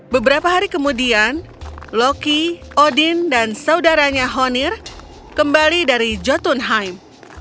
beberapa hari kemudian loki odin dan saudaranya honir kembali dari jotunheim